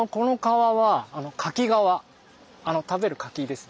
食べる柿ですね